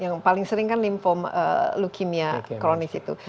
maksudnya paling sering kan lymphoma leukemia kronis itu